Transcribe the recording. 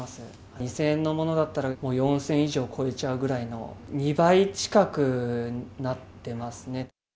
２０００円のものだったら、４０００円以上超えちゃうぐらいの、２倍近くになってますね。